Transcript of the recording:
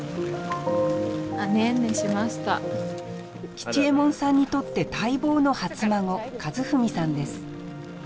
吉右衛門さんにとって待望の初孫和史さんです。